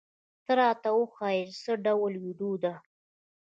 ته را وښیه چې څه ډول ویډیو ده؟